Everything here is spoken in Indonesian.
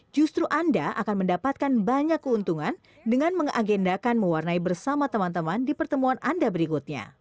justru anda akan mendapatkan banyak keuntungan dengan mengagendakan mewarnai bersama teman teman di pertemuan anda berikutnya